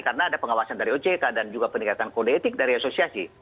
karena ada pengawasan dari ojk dan juga peningkatan kode etik dari asosiasi